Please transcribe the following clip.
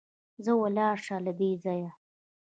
ځه ولاړ شه له دې ځايه!